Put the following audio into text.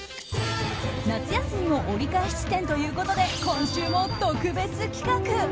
夏休みも折り返し地点ということで今週も特別企画。